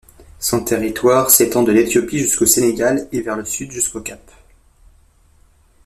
Son territoire s'étend de l'Éthiopie jusqu'au Sénégal et vers le Sud jusqu'au Cap.